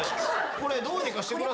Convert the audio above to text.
これどうにかしてくださいよ。